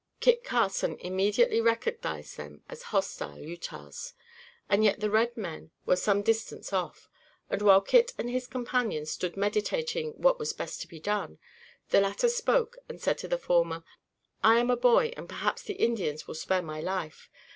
Eat Carson immediately recognized them as hostile Utahs. As yet the red men were some distance off; and, while Kit and his companion stood meditating what was best to be done, the latter spoke and said to the former: "I am a boy and perhaps the Indians will spare my life.